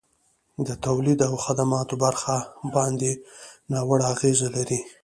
د تولید او خدماتو برخه باندي ناوړه اغیزه لري.